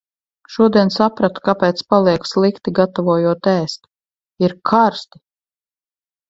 Šodien sapratu, kāpēc paliek slikti, gatavojot ēst, - ir karsti!